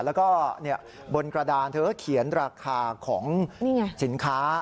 แล้วก็บนกระดานเธอก็เขียนราคาของสินค้า